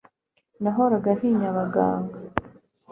Nahoraga ntinya abaganga